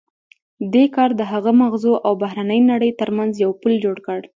دې کار د هغه د ماغزو او بهرنۍ نړۍ ترمنځ یو پُل جوړ کړ